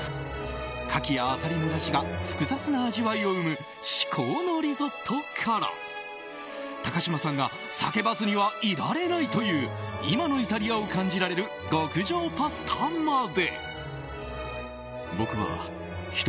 カキやアサリのだしが複雑な味わいを生む至高のリゾットから高嶋さんが叫ばずにはいられないという今のイタリアを感じられる極上パスタまで。